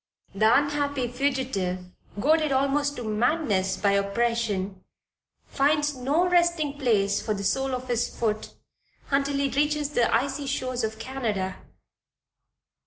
The unhappy fugitive goaded almost to madness by oppression finds no resting place for the sole of his foot until he reaches the icy shores of Canada.